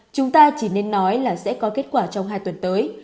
chúng ta chỉ nên nói là sẽ có kết quả trong hai tuần tới